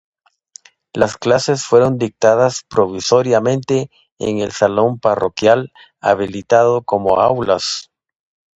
Las clases fueron dictadas provisoriamente en el salón parroquial habilitado como aulas.